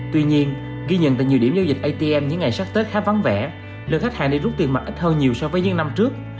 tuy nhiên ghi nhận tại nhiều điểm giao dịch atm những ngày sắp tết khá vắng vẻ lượng khách hàng đi rút tiền mặt ít hơn nhiều so với những năm trước